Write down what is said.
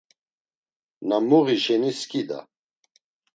Na muği şeni skida.